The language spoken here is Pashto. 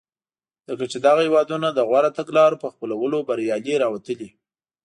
ځکه چې دغه هېوادونه د غوره تګلارو په خپلولو بریالي راوتلي.